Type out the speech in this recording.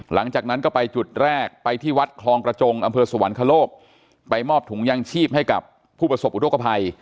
หลังจากนั้นก็ไปจุดแรกไปที่วัดคลองกระจงอำเภอสวรรคโลกไปมอบถุงยางชีพให้กับผู้ประสบอุทธกภัย